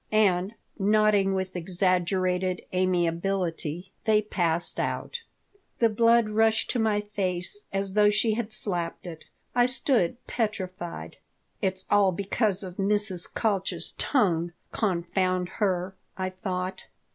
And, nodding with exaggerated amiability, they passed out The blood rushed to my face as though she had slapped it. I stood petrified. "It's all because of Mrs. Kalch's tongue, confound her!" I thought.